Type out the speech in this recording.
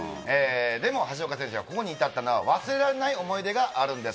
でも橋岡選手はここに至ったのには忘れられない思い出があるんです。